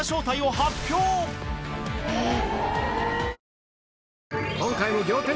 えっ。